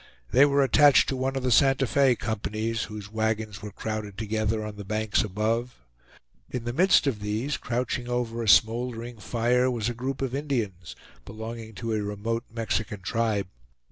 They were attached to one of the Santa Fe companies, whose wagons were crowded together on the banks above. In the midst of these, crouching over a smoldering fire, was a group of Indians, belonging to a remote Mexican tribe.